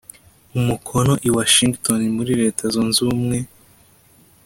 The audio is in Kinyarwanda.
umukono i washington muri leta zunze ubumwe